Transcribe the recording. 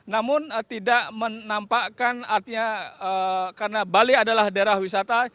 namun tidak menampakkan artinya karena bali adalah daerah wisata